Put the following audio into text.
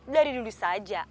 dari dulu saja